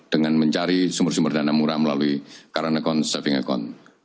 dengan mencari sumber sumber dana murah melalui current account saving account